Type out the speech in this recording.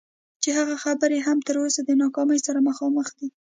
چې هغه خبرې هم تر اوسه د ناکامۍ سره مخامخ دي.